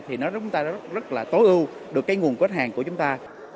thì nó rất là tối ưu được cái nguồn khách hàng của chúng ta